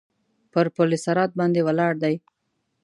پر پل صراط باندې ولاړ دی.